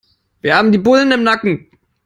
Wir haben die Bullen im Nacken.